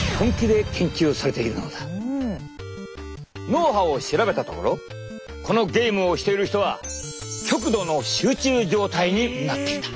脳波を調べたところこのゲームをしている人は極度の集中状態になっていた。